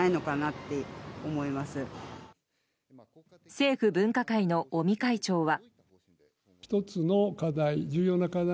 政府分科会の尾身会長は。